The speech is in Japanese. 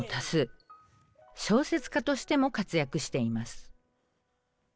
小説家としても活躍しています。